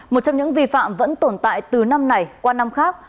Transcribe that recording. một trong những vi phạm vẫn tồn tại từ năm này qua năm khác